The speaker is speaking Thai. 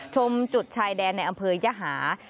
ชมจุดชายแดนในอำเภอยหา